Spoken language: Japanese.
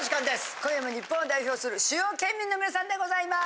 今夜も日本を代表する主要県民のみなさんでございます。